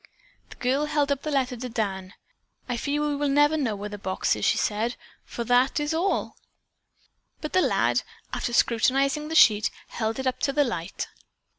The girl held the letter up to Dan. "I fear we will never know where the box is," she said, "for that is all." But the lad, after scrutinizing the sheet, held it up to the light.